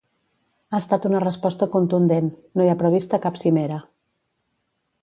Ha estat una resposta contundent: No hi ha prevista cap cimera.